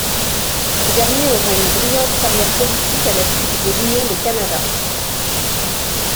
Ce dernier aura une brillante carrière politique à la suite de l'union des Canada.